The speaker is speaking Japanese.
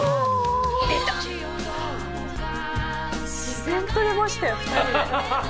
自然と出ましたよ２人で。